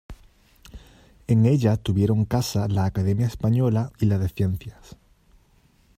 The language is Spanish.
En ella tuvieron casa la Academia Española y la de Ciencias.